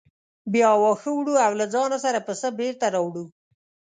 بیا واښه وړو او له ځانه سره پسه بېرته راوړو.